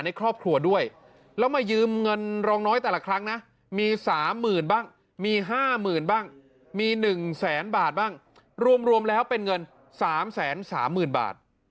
ในครอบครัวด้วยแล้วมายืมเงินรองน้อยแต่ละครั้งนะมีสามหมื่นบ้างมีห้าหมื่นบ้างมีหนึ่งแสนบาทบ้างรวมรวมแล้วเป็นเงินสามแสนสามหมื่นบาท